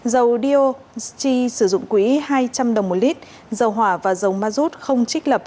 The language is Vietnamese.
dầu diesel chi sử dụng quỹ hai trăm linh đồng một lít dầu hỏa và dầu mazut không trích lập